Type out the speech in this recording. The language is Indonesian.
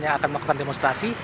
yang akan melakukan demonstrasi